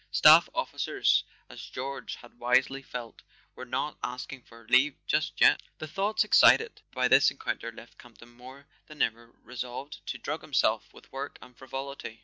Staff officers, as George had wisely felt, were not asking for leave just yet. .. The thoughts excited by this encounter left Camp¬ ton more than ever resolved to drug himself with work and frivolity.